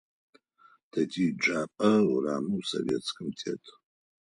Тэ тиеджапӏэ урамэу Советскэм тет.